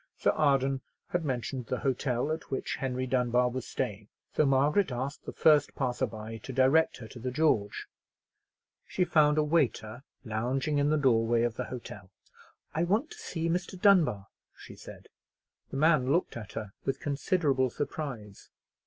Sir Arden had mentioned the hotel at which Henry Dunbar was staying; so Margaret asked the first passer by to direct her to the George. She found a waiter lounging in the doorway of the hotel. "I want to see Mr. Dunbar," she said. The man looked at her with considerable surprise.